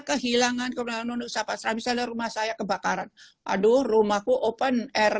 kehilangan keberanian usaha pasrah misalnya rumah saya kebakaran aduh rumahku open air